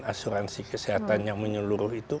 asuransi kesehatan yang menyeluruh itu